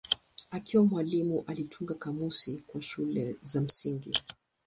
Akiwa mwalimu alitunga kamusi kwa shule za msingi.